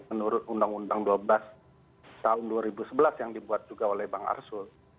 menurut undang undang dua belas tahun dua ribu sebelas yang dibuat juga oleh bang arsul